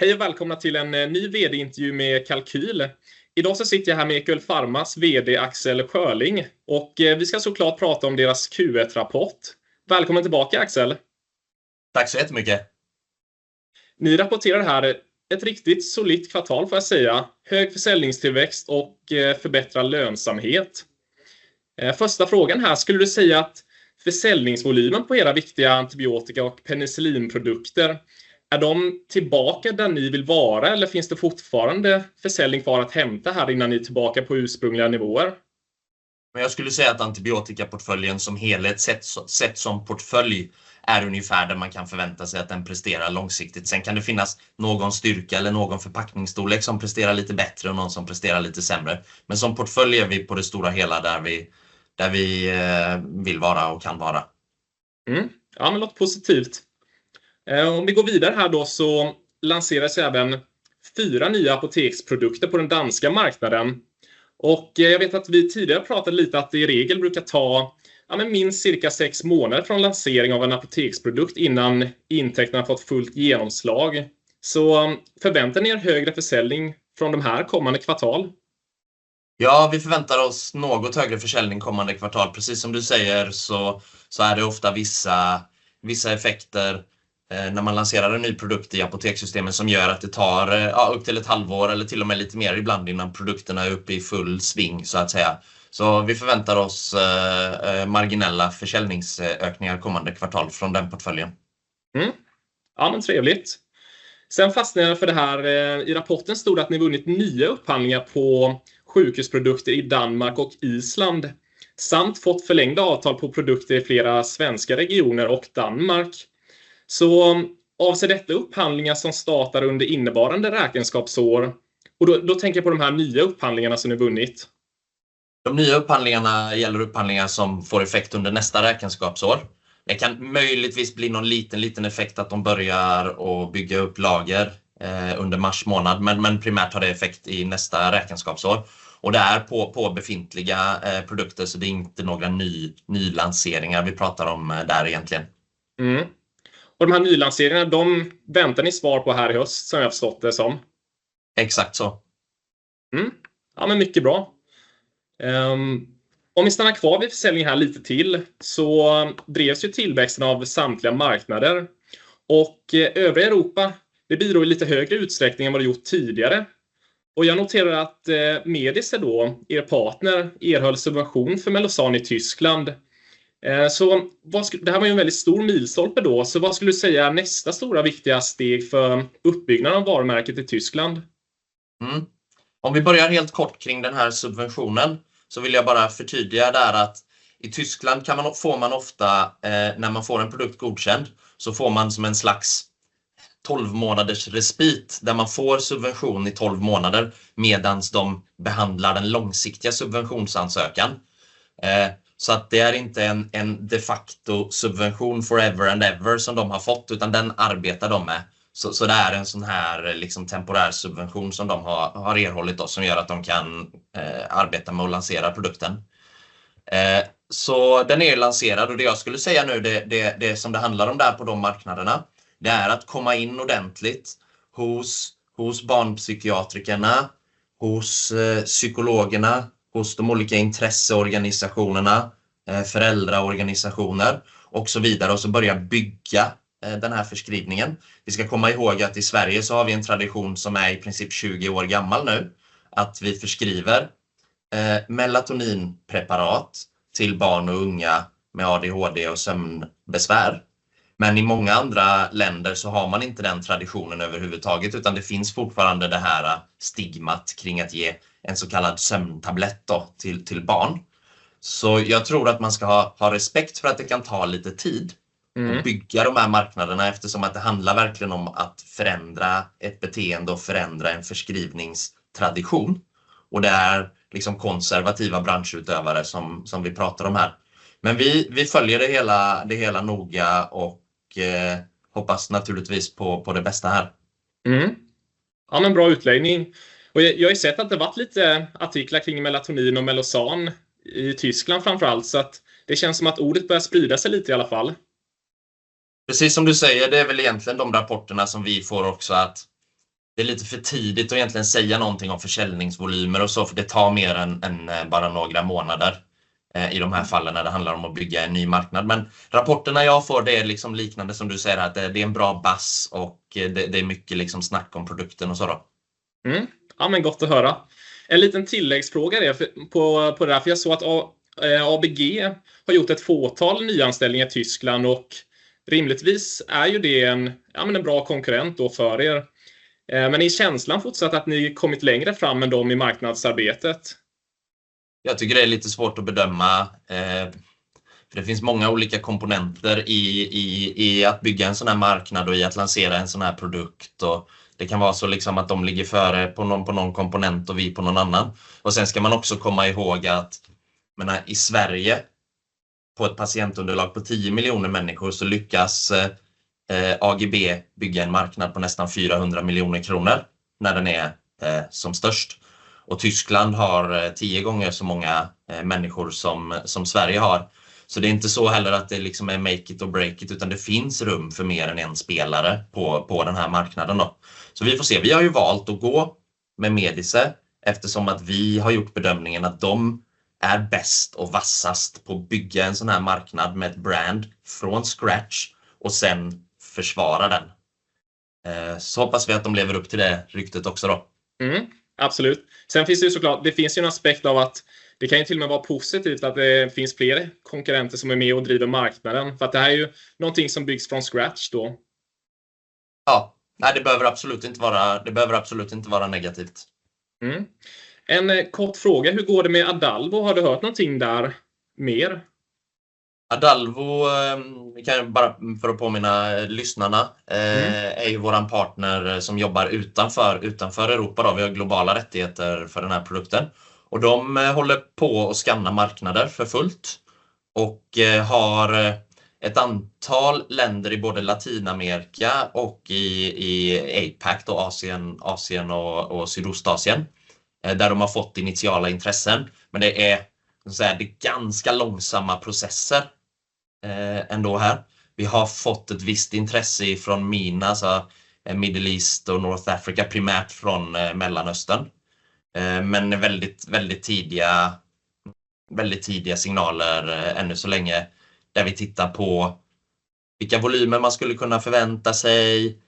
Hej och välkomna till en ny VD-intervju med Kalkyl. Idag så sitter jag här med Equell Pharmas VD Axel Sjöling, och vi ska så klart prata om deras Q1-rapport. Välkommen tillbaka, Axel! Tack så jättemycket. Ni rapporterar här ett riktigt solitt kvartal får jag säga. Hög försäljningstillväxt och förbättrad lönsamhet. Första frågan här: skulle du säga att försäljningsvolymen på era viktiga antibiotika och penicillinprodukter, är de tillbaka där ni vill vara eller finns det fortfarande försäljning kvar att hämta här innan ni är tillbaka på ursprungliga nivåer? Jag skulle säga att antibiotika-portföljen som helhet sett, sett som portfölj, är ungefär det man kan förvänta sig att den presterar långsiktigt. Sen kan det finnas någon styrka eller någon förpackningsstorlek som presterar lite bättre och någon som presterar lite sämre. Men som portfölj är vi på det stora hela där vi vill vara och kan vara. Mm. Ja, men låter positivt. Om vi går vidare här då så lanserades även fyra nya apoteksprodukter på den danska marknaden. Och jag vet att vi tidigare pratat lite att det i regel brukar ta, ja men minst cirka sex månader från lansering av en apoteksprodukt innan intäkterna har fått fullt genomslag. Så förväntar ni er högre försäljning från de här kommande kvartalen? Ja, vi förväntar oss något högre försäljning kommande kvartal. Precis som du säger så är det ofta vissa effekter när man lanserar en ny produkt i apotekssystemet som gör att det tar upp till ett halvår eller till och med lite mer ibland innan produkterna är uppe i full sving så att säga. Så vi förväntar oss marginella försäljningsökningar kommande kvartal från den portföljen. Mm. Ja, men trevligt! Sen fastnade jag för det här. I rapporten stod att ni vunnit nya upphandlingar på sjukhusprodukter i Danmark och Island, samt fått förlängda avtal på produkter i flera svenska regioner och Danmark. Så avser detta upphandlingar som startar under innevarande räkenskapsår? Och då, då tänker jag på de här nya upphandlingarna som ni vunnit. De nya upphandlingarna gäller upphandlingar som får effekt under nästa räkenskapsår. Det kan möjligtvis bli någon liten effekt att de börjar bygga upp lager under mars månad, men primärt har det effekt i nästa räkenskapsår. Och det är på befintliga produkter, så det är inte några nylanseringar vi pratar om där egentligen. Mm. Och de här nylanseringarna, de väntar ni svar på här i höst som jag förstått det som? Exactly so. Mm. Ja, men mycket bra. Ähm, om vi stannar kvar vid försäljningen här lite till så drevs ju tillväxten av samtliga marknader och övriga Europa. Det bidrog i lite högre utsträckning än vad det gjort tidigare. Och jag noterar att Medice då, er partner, erhöll subvention för Melozan i Tyskland. Så vad... Det här var ju en väldigt stor milstolpe då. Så vad skulle du säga är nästa stora viktiga steg för uppbyggnaden av varumärket i Tyskland? Om vi börjar helt kort kring den här subventionen så vill jag bara förtydliga där att i Tyskland kan man, får man ofta, när man får en produkt godkänd, så får man som en slags tolvmånaders respit, där man får subvention i tolv månader medan de behandlar den långsiktiga subventionsansökan. Så att det är inte en de facto subvention forever and ever som de har fått, utan den arbetar de med. Så det är en sådan här temporär subvention som de har erhållit då, som gör att de kan arbeta med att lansera produkten. Den är lanserad och det jag skulle säga nu, det som det handlar om där på de marknaderna, det är att komma in ordentligt hos barnpsykiatrikerna, hos psykologerna, hos de olika intresseorganisationerna, föräldraorganisationer och så vidare, och så börja bygga den här förskrivningen. Vi ska komma ihåg att i Sverige så har vi en tradition som är i princip tjugo år gammal nu, att vi förskriver melatoninpreparat till barn och unga med ADHD och sömnbesvär. Men i många andra länder så har man inte den traditionen överhuvudtaget, utan det finns fortfarande det här stigmat kring att ge en så kallad sömntablett då till barn. Så jag tror att man ska ha respekt för att det kan ta lite tid. Mm. att bygga de här marknaderna, eftersom det handlar verkligen om att förändra ett beteende och förändra en förskrivningstradition. Och det är konservativa branschutövare som vi pratar om här. Men vi följer det hela noga och hoppas naturligtvis på det bästa här. Mm. Ja, men bra utläggning. Och jag har sett att det varit lite artiklar kring melatonin och Melozan i Tyskland framför allt, så att det känns som att ordet börjar sprida sig lite i alla fall. Precis som du säger, det är väl egentligen de rapporterna som vi får också, att det är lite för tidigt att egentligen säga någonting om försäljningsvolymer och så, för det tar mer än bara några månader i de här fallen när det handlar om att bygga en ny marknad. Men rapporterna jag får, det är liksom liknande som du säger, att det är en bra bas och det är mycket liksom snack om produkten och så då. Mm. Ja, men gott att höra. En liten tilläggsfråga det, på det där, för jag såg att ABG har gjort ett fåtal nyanställningar i Tyskland och rimligtvis är ju det en, ja men en bra konkurrent då för er. Men är känslan fortsatt att ni kommit längre fram än dem i marknadsarbetet? Jag tycker det är lite svårt att bedöma för det finns många olika komponenter i att bygga en sådan här marknad och i att lansera en sådan här produkt. Och det kan vara så att de ligger före på någon komponent och vi på någon annan. Och sen ska man också komma ihåg att, jag menar i Sverige, på ett patientunderlag på tio miljoner människor, så lyckas AGB bygga en marknad på nästan 400 miljoner kronor när den är som störst. Och Tyskland har tio gånger så många människor som Sverige har. Så det är inte så heller att det är make it och break it, utan det finns rum för mer än en spelare på den här marknaden då. Så vi får se, vi har ju valt att gå med Medice eftersom vi har gjort bedömningen att de är bäst och vassast på att bygga en sådan här marknad med ett brand från scratch och sedan försvara den. Så hoppas vi att de lever upp till det ryktet också då. Mm, absolut. Sen finns det ju så klart, det finns ju en aspekt av att det kan ju till och med vara positivt att det finns fler konkurrenter som är med och driver marknaden. För att det här är ju någonting som byggs från scratch då. Ja, nej, det behöver absolut inte vara, det behöver absolut inte vara negativt. Mm. En kort fråga, hur går det med Adalvo? Har du hört någonting där mer? Adalvo, vi kan ju bara för att påminna lyssnarna, är ju vår partner som jobbar utanför Europa då. Vi har globala rättigheter för den här produkten och de håller på att scanna marknader för fullt och har ett antal länder i både Latinamerika och i APAC, då Asien och Sydostasien, där de har fått initiala intressen. Men det är ganska långsamma processer ändå här. Vi har fått ett visst intresse ifrån MENA, alltså Middle East och North Africa, primärt från Mellanöstern. Men väldigt tidiga signaler ännu så länge, där vi tittar på vilka volymer man skulle kunna förvänta sig,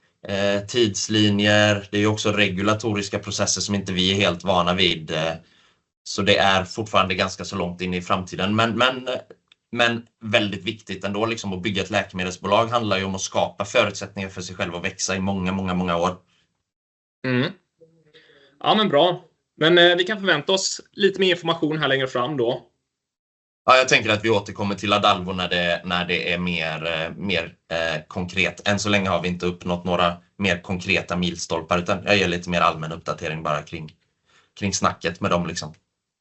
tidslinjer. Det är också regulatoriska processer som inte vi är helt vana vid, så det är fortfarande ganska så långt in i framtiden. Men, men, men väldigt viktigt ändå, liksom att bygga ett läkemedelsbolag handlar ju om att skapa förutsättningar för sig själv att växa i många, många, många år. Mm. Ja, men bra. Men vi kan förvänta oss lite mer information här längre fram då? Ja, jag tänker att vi återkommer till Adalvo när det är mer konkret. Än så länge har vi inte uppnått några mer konkreta milstolpar, utan jag ger lite mer allmän uppdatering bara kring snacket med dem.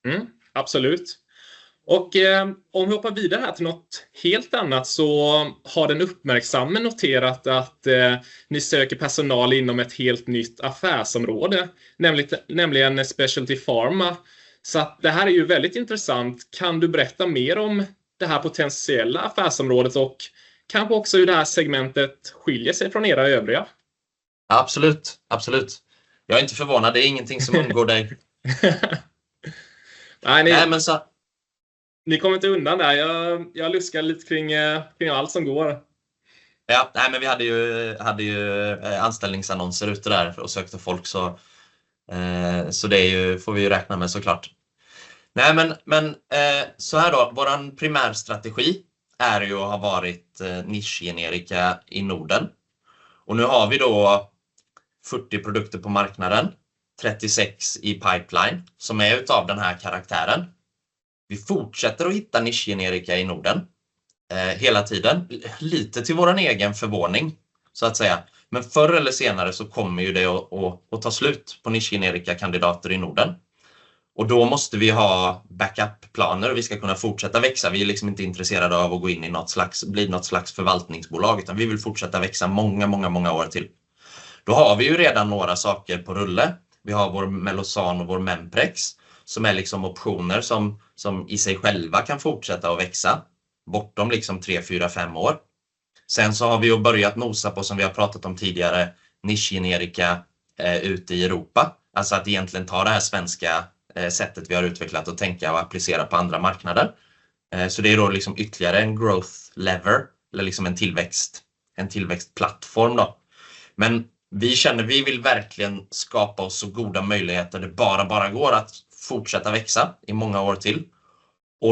Mm, absolut. Och om vi hoppar vidare här till något helt annat, så har den uppmärksamme noterat att ni söker personal inom ett helt nytt affärsområde, nämligen Specialty Pharma. Så att det här är ju väldigt intressant. Kan du berätta mer om det här potentiella affärsområdet och kanske också hur det här segmentet skiljer sig från era övriga? Absolut, absolut. Jag är inte förvånad, det är ingenting som undgår dig. Nej, ni. Nej, men så att. Ni kommer inte undan det här. Jag luskar lite kring allt som går. Ja, nej, men vi hade ju anställningsannonser ute där och sökte folk, så det får vi ju räkna med så klart. Nej, men såhär då, vår primärstrategi är ju och har varit nischgenerika i Norden. Nu har vi fyrtio produkter på marknaden, trettiosex i pipeline, som är av den här karaktären. Vi fortsätter att hitta nischgenerika i Norden hela tiden, lite till vår egen förvåning, så att säga. Men förr eller senare så kommer ju det att ta slut på nischgenerika kandidater i Norden. Då måste vi ha backup-planer. Vi ska kunna fortsätta växa. Vi är liksom inte intresserade av att gå in i något slags, bli något slags förvaltningsbolag, utan vi vill fortsätta växa många, många, många år till. Då har vi ju redan några saker på rulle. Vi har vår Melozan och vår Memprez, som är optioner som i sig själva kan fortsätta att växa, bortom tre, fyra, fem år. Sen så har vi ju börjat nosa på, som vi har pratat om tidigare, nischgenerika ute i Europa. Alltså att egentligen ta det här svenska sättet vi har utvecklat och tänka och applicera på andra marknader. Det är då ytterligare en growth lever, eller en tillväxtplattform då. Men vi känner, vi vill verkligen skapa oss så goda möjligheter. Det bara går att fortsätta växa i många år till.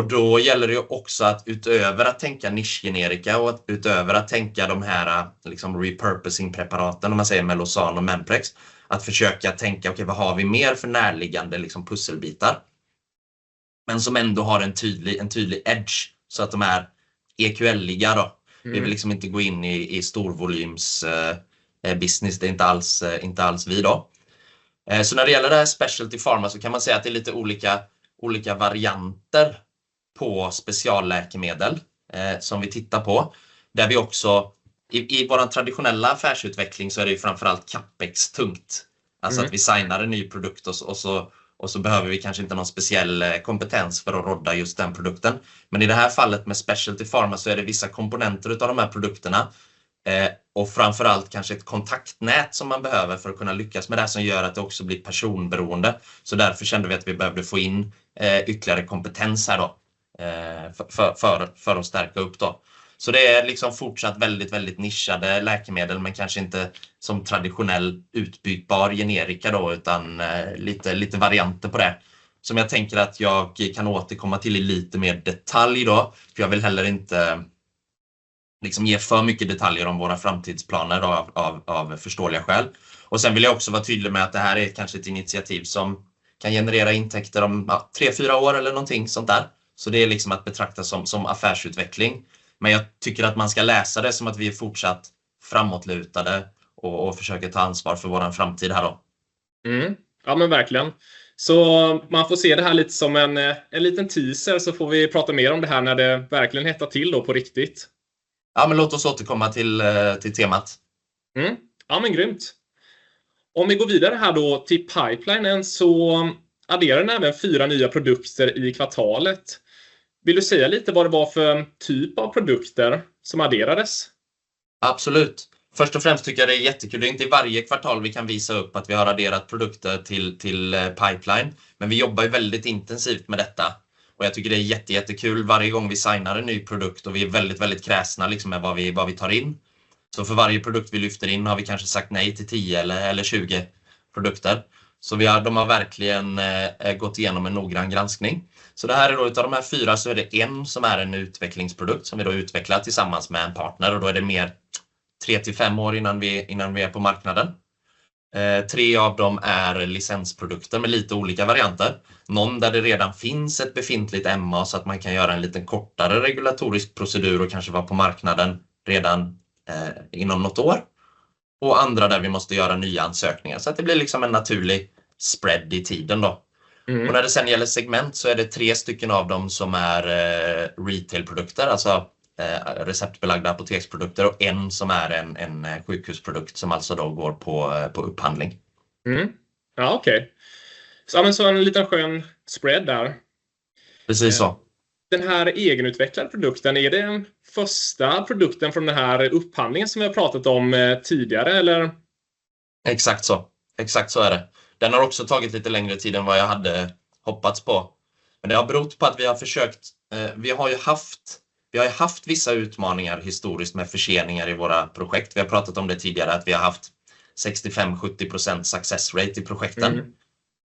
Då gäller det också att utöver att tänka nischgenerika och utöver att tänka de här repurposing preparaten, om man säger Melozan och Memprez, att försöka tänka: okej, vad har vi mer för närliggande pusselbitar? Men som ändå har en tydlig, en tydlig edge så att de är EQL-liga då. Vi vill liksom inte gå in i storvolyms business. Det är inte alls, inte alls vi då. Så när det gäller det här Specialty Pharma så kan man säga att det är lite olika, olika varianter på specialläkemedel som vi tittar på, där vi också i vår traditionella affärsutveckling så är det ju framför allt capex tungt. Alltså att vi signar en ny produkt och så, och så behöver vi kanske inte någon speciell kompetens för att rodda just den produkten. Men i det här fallet med Specialty Pharma så är det vissa komponenter utav de här produkterna, och framför allt kanske ett kontaktnät som man behöver för att kunna lyckas med det här, som gör att det också blir personberoende. Så därför kände vi att vi behövde få in ytterligare kompetens här för att stärka upp. Så det är fortsatt väldigt, väldigt nischade läkemedel, men kanske inte som traditionell utbytbar generika, utan lite varianter på det. Som jag tänker att jag kan återkomma till i lite mer detalj, för jag vill heller inte ge för mycket detaljer om våra framtidsplaner av förståeliga skäl. Och sen vill jag också vara tydlig med att det här är kanske ett initiativ som kan generera intäkter om tre, fyra år eller någonting sånt där. Så det är att betrakta som affärsutveckling. Men jag tycker att man ska läsa det som att vi är fortsatt framåtlutade och försöker ta ansvar för vår framtid här. Mm. Ja, men verkligen! Så man får se det här lite som en, en liten teaser så får vi prata mer om det här när det verkligen hettar till då på riktigt. Ja, men låt oss återkomma till temat. Mm. Ja, men grymt. Om vi går vidare här då till pipelinen så adderar den även fyra nya produkter i kvartalet. Vill du säga lite vad det var för typ av produkter som adderades? Absolut. Först och främst tycker jag det är jättekul. Det är inte i varje kvartal vi kan visa upp att vi har adderat produkter till pipeline, men vi jobbar ju väldigt intensivt med detta och jag tycker det är jätte, jättekul varje gång vi signar en ny produkt och vi är väldigt, väldigt kräsna med vad vi tar in. Så för varje produkt vi lyfter in har vi kanske sagt nej till tio eller tjugo produkter. Så vi har, de har verkligen gått igenom en noggrann granskning. Så det här är då utav de här fyra så är det en som är en utvecklingsprodukt, som vi då utvecklar tillsammans med en partner och då är det mer tre till fem år innan vi är på marknaden. Tre av dem är licensprodukter med lite olika varianter. Någon där det redan finns ett befintligt MA så att man kan göra en liten kortare regulatorisk procedur och kanske vara på marknaden redan inom något år. Och andra där vi måste göra nya ansökningar så att det blir liksom en naturlig spread i tiden då. Mm. Och när det sedan gäller segment så är det tre stycken av dem som är retailprodukter, alltså receptbelagda apoteksprodukter och en som är en sjukhusprodukt som alltså då går på upphandling. Mm. Ja, okej. Så en liten skön spread där. Precis så. Den här egenutvecklade produkten, är det den första produkten från den här upphandlingen som vi har pratat om tidigare, eller? Exakt så, exakt så är det. Den har också tagit lite längre tid än vad jag hade hoppats på. Men det har berott på att vi har försökt, vi har ju haft, vi har ju haft vissa utmaningar historiskt med förseningar i våra projekt. Vi har pratat om det tidigare, att vi har haft 65-70% success rate i projekten.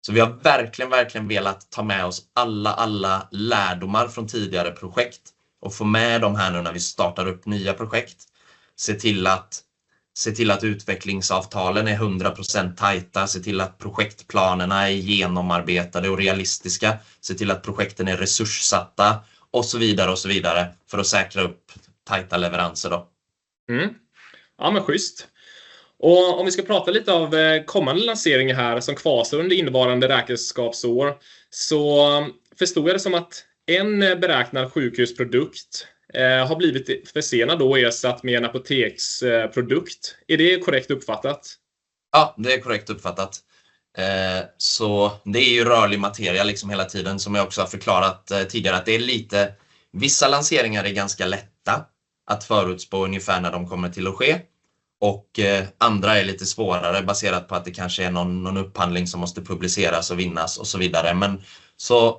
Mm. Så vi har verkligen, verkligen velat ta med oss alla, alla lärdomar från tidigare projekt och få med dem här nu när vi startar upp nya projekt. Se till att, se till att utvecklingsavtalen är 100% tajta, se till att projektplanerna är genomarbetade och realistiska, se till att projekten är resurssatta och så vidare och så vidare, för att säkra upp tajta leveranser då. Mm. Ja, men schysst. Och om vi ska prata lite av kommande lanseringar här som kvarstår under innevarande räkenskapsår, så förstår jag det som att en beräknad sjukhusprodukt har blivit försenad då och ersatt med en apoteksprodukt. Är det korrekt uppfattat? Ja, det är korrekt uppfattat. Så det är ju rörlig materia liksom hela tiden, som jag också har förklarat tidigare, att det är lite, vissa lanseringar är ganska lätta att förutspå ungefär när de kommer att ske och andra är lite svårare, baserat på att det kanske är någon upphandling som måste publiceras och vinnas och så vidare. Men så,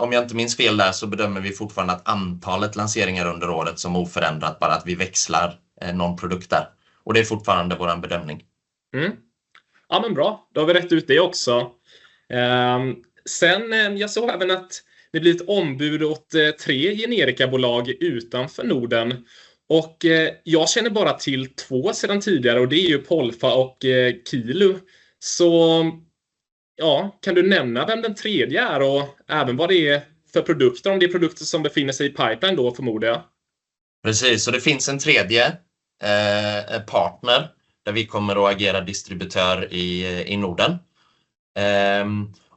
om jag inte minns fel där, så bedömer vi fortfarande att antalet lanseringar under året som oförändrat, bara att vi växlar någon produkt där. Det är fortfarande vår bedömning. Mm. Ja, men bra, då har vi rätt ut det också. Eh, sen såg jag även att det blir ett ombud åt tre generikabolag utanför Norden och jag känner bara till två sedan tidigare och det är ju Polfa och Kilu. Så ja, kan du nämna vem den tredje är och även vad det är för produkter, om det är produkter som befinner sig i pipeline då, förmodar jag? Precis, så det finns en tredje partner, där vi kommer att agera distributör i Norden.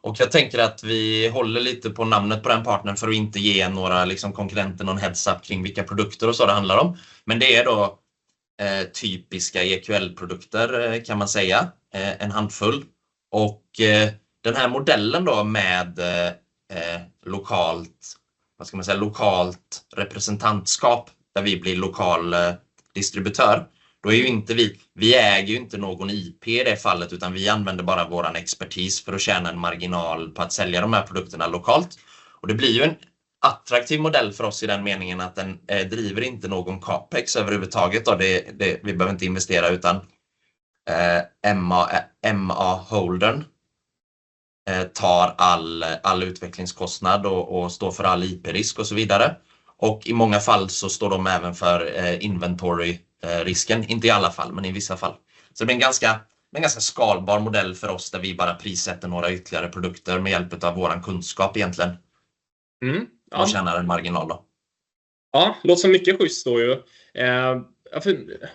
Och jag tänker att vi håller lite på namnet på den partnern för att inte ge några konkurrenter någon heads up kring vilka produkter och så det handlar om. Men det är då typiska EQL-produkter, kan man säga, en handfull. Och den här modellen då med lokalt representantskap, där vi blir lokal distributör, då är ju inte vi, vi äger ju inte någon IP i det fallet, utan vi använder bara vår expertis för att tjäna en marginal på att sälja de här produkterna lokalt. Och det blir ju en attraktiv modell för oss i den meningen att den driver inte någon CapEx överhuvudtaget. Det, vi behöver inte investera utan, MA-holdern tar all utvecklingskostnad och står för all IP-risk och så vidare. Och i många fall så står de även för inventory-risken, inte i alla fall, men i vissa fall. Så det är en ganska skalbar modell för oss, där vi bara prissätter några ytterligare produkter med hjälp av vår kunskap, egentligen. Mm. Och tjänar en marginal då. Ja, det låter som mycket schysst då ju.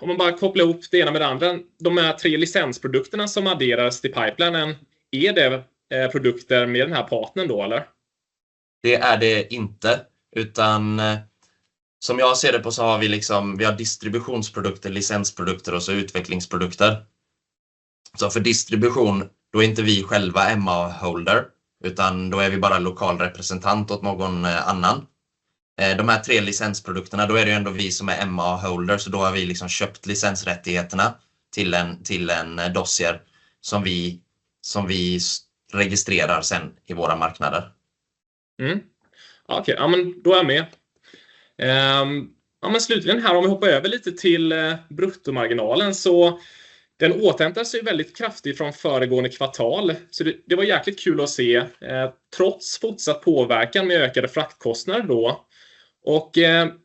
Om man bara kopplar upp det ena med det andra, de här tre licensprodukterna som adderas till pipelinen, är det produkter med den här partnern då, eller? Det är det inte, utan som jag ser det på så har vi liksom, vi har distributionsprodukter, licensprodukter och så utvecklingsprodukter. Så för distribution, då är inte vi själva MA holder, utan då är vi bara lokal representant åt någon annan. De här tre licensprodukterna, då är det ju ändå vi som är MA holder, så då har vi köpt licensrättigheterna till en, till en dossier som vi, som vi registrerar sedan i våra marknader. Mm. Okej, ja men då är jag med. Ja men slutligen här, om vi hoppar över lite till bruttomarginalen, så den återhämtar sig väldigt kraftigt från föregående kvartal. Så det var jäkligt kul att se, trots fortsatt påverkan med ökade fraktkostnader då. Och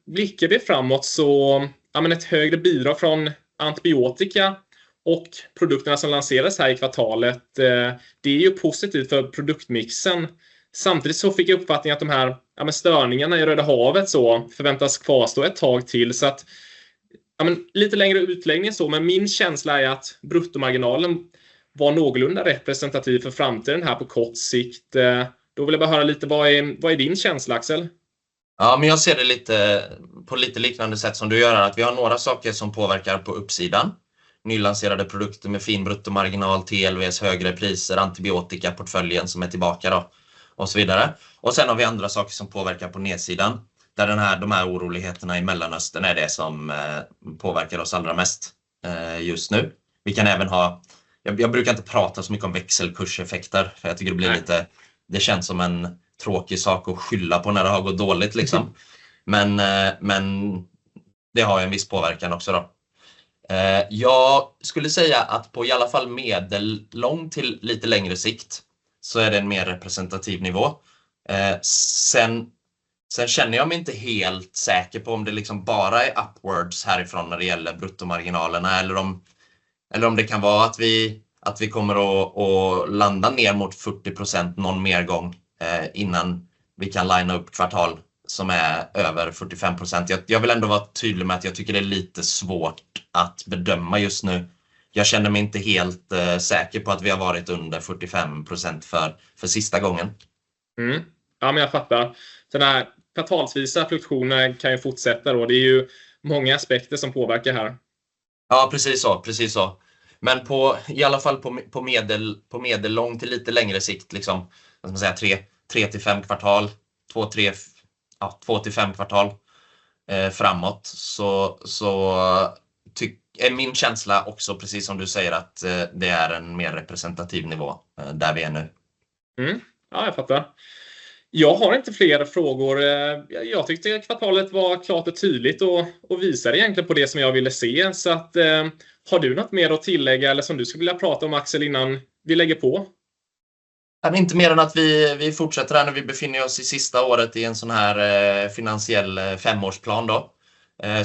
blickar vi framåt så, ja men ett högre bidrag från antibiotika och produkterna som lanserades här i kvartalet, det är ju positivt för produktmixen. Samtidigt så fick jag uppfattningen att de här störningarna i Röda havet så förväntas kvarstå ett tag till. Så att... Ja, men lite längre utläggning så, men min känsla är att bruttomarginalen var någorlunda representativ för framtiden här på kort sikt. Då vill jag bara höra lite, vad är din känsla, Axel? Ja, men jag ser det lite på lite liknande sätt som du gör här. Vi har några saker som påverkar på uppsidan. Nylanserade produkter med fin bruttomarginal, TLVs, högre priser, antibiotika, portföljen som är tillbaka då och så vidare. Sen har vi andra saker som påverkar på nedsidan, där oroligheterna i Mellanöstern är det som påverkar oss allra mest just nu. Vi kan även ha - jag brukar inte prata så mycket om växelkurseffekter, för jag tycker det blir lite, det känns som en tråkig sak att skylla på när det har gått dåligt. Men det har ju en viss påverkan också då. Jag skulle säga att på i alla fall medellång till lite längre sikt, så är det en mer representativ nivå. Eh, sen känner jag mig inte helt säker på om det liksom bara är upwards härifrån när det gäller bruttomarginalerna eller om det kan vara att vi kommer att landa ner mot 40% någon mer gång innan vi kan linea upp kvartal som är över 45%. Jag vill ändå vara tydlig med att jag tycker det är lite svårt att bedöma just nu. Jag känner mig inte helt säker på att vi har varit under 45% för sista gången. Mm. Ja, men jag fattar. Den här kvartalsvisa fluktuationen kan ju fortsätta då. Det är ju många aspekter som påverkar här. Ja, precis så, precis så. Men på, i alla fall på medel, på medellång till lite längre sikt. Vad ska man säga? Tre till fem kvartal, två, tre, ja, två till fem kvartal framåt, så tycker, är min känsla också, precis som du säger, att det är en mer representativ nivå där vi är nu. Mm. Ja, jag fattar. Jag har inte fler frågor. Jag tyckte kvartalet var klart och tydligt och visade egentligen på det som jag ville se. Så har du något mer att tillägga eller som du skulle vilja prata om Axel innan vi lägger på? Nej, inte mer än att vi fortsätter här när vi befinner oss i sista året i en sådan här finansiell femårsplan då.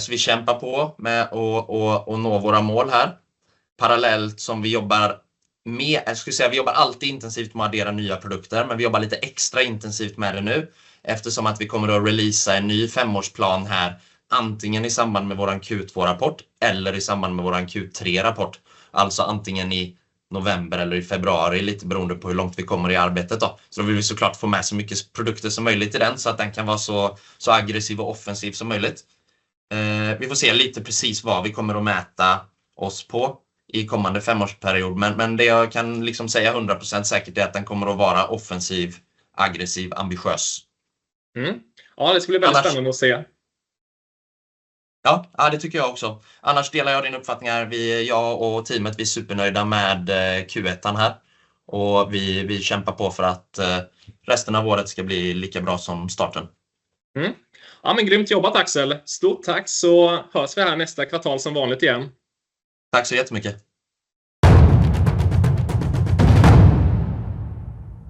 Så vi kämpar på med att nå våra mål här. Parallellt som vi jobbar med, jag skulle säga, vi jobbar alltid intensivt med att addera nya produkter, men vi jobbar lite extra intensivt med det nu, eftersom att vi kommer att releasa en ny femårsplan här, antingen i samband med vår Q2-rapport eller i samband med vår Q3-rapport. Alltså antingen i november eller i februari, lite beroende på hur långt vi kommer i arbetet då. Så då vill vi så klart få med så mycket produkter som möjligt i den, så att den kan vara så aggressiv och offensiv som möjligt. Vi får se lite precis vad vi kommer att mäta oss på i kommande femårsperiod. Men det jag kan liksom säga hundra procent säkert är att den kommer att vara offensiv, aggressiv, ambitiös. Mm. Ja, det ska bli väldigt spännande att se. Ja, ja, det tycker jag också. Annars delar jag dina uppfattningar. Vi, jag och teamet, vi är supernöjda med Q1 här och vi kämpar på för att resten av året ska bli lika bra som starten. Mm. Ja, men grymt jobbat, Axel. Stort tack, så hörs vi här nästa kvartal som vanligt igen. Tack så jättemycket!